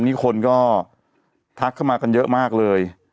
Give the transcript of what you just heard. นี่คนก็ทักเข้ามากันเยอะมากเลย